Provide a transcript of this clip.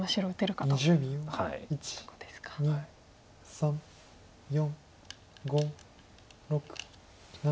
３４５６７。